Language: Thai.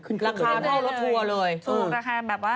ราคาเท่ารถทัวร์เลย